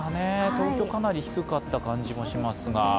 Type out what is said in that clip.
東京、かなり低かった感じもしますが。